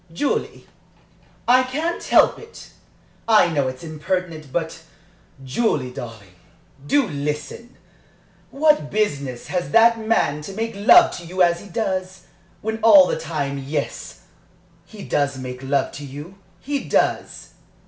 "Julie, I can't help it! I know it's impertinent but Julie, darling! do listen! What business has that man to make love to you as he does, when all the time Yes, he does make love to you he does!